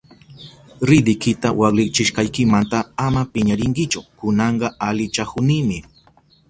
Ridikita waklichishkaynimanta ama piñarinkichu, kunanka alichahunimi.